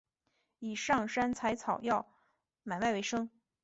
以上山采草药买卖为生。